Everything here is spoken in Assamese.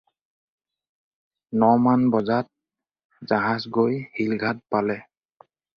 ন-মান বজাত জাহাজ গৈ শিলঘাট পালে।